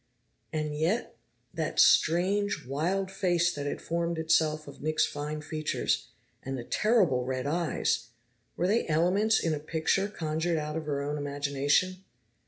And yet that strange, wild face that had formed itself of Nick's fine features, and the terrible red eyes! Were they elements in a picture conjured out of her own imagination?